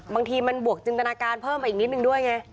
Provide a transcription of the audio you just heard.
บางทีมันบวกจินตนาการเพิ่มไปอีกนิดนึงด้วยไง